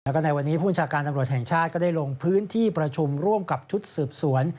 แล้วก็ในวันนี้ผู้บัญชาการตำรวจแห่งชาติก็ได้ลงพื้นที่ประชุมร่วมกับชุดสืบสวน